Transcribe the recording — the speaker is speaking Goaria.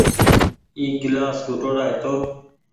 اي گلآس ٽوُٽڙآ هيتو۔